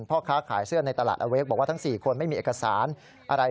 พ่อค้าขายเสื้อในตลาดอเวกบอกว่าทั้ง๔คนไม่มีเอกสารอะไร